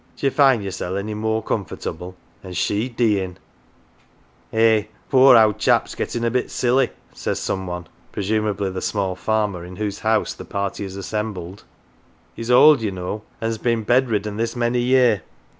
D'ye find yoursel' any more comfortable ?' An' she deein' !" "Eh, th' poor owd chap's gettin' a bit silly," says some one, presumably the small farmer in whose house the party is assembled. " He's old, ye know, an's been bedridden this many year.